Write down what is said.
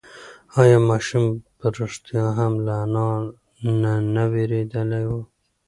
ایا ماشوم په رښتیا هم له انا نه وېرېدلی و؟